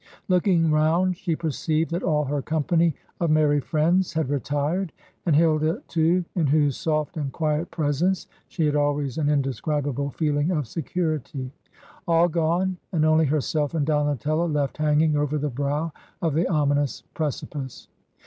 ... Looking round, she perceived that all her company of 185 Digitized by VjOOQIC HEROINES OF FICTION meny friends had retired, and Hilda, too, in whose soft and quiet presence she had always an indescribable feeUng of security. All gone; and only herself and DonateUo left hanging over the brow of the ominous precipice.